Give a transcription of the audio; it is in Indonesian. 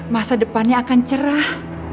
masa depannya akan cerah